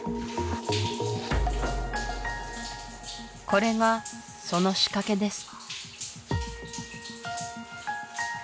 これがその仕掛けです